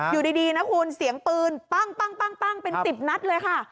อยู่ดีนะคุณเสียงปืนปั้งเป็น๑๐นัดเลยค่ะ